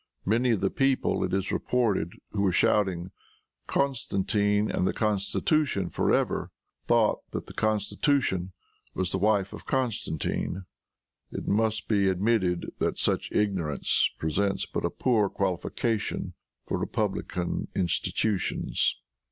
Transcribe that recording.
Many of the people, it is reported, who were shouting, "Constantine and the constitution for ever," thought that the constitution was the wife of Constantine. It must be admitted that such ignorance presents but a poor qualification for republican institutions.